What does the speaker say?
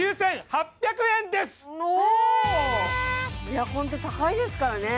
エアコンって高いですからね